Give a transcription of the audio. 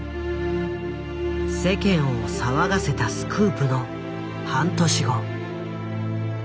世間を騒がせたスクープの半年後。